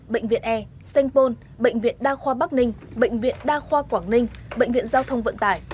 bệnh viện e sanh pôn bệnh viện đa khoa bắc ninh bệnh viện đa khoa quảng ninh bệnh viện giao thông vận tải